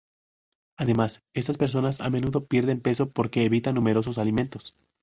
Además, estas personas a menudo pierden peso porque evitan numerosos alimentos.